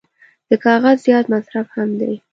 د کاغذ زیات مصرف هم دی.